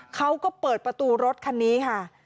เขาก็เปิดประตูรถคันนี้ค่ะ